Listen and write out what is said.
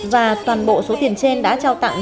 và toàn bộ số tiền trên đã trao tặng